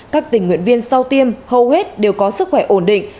các tình nguyện viên sau tiêm hầu hết đều có sức khỏe ổn định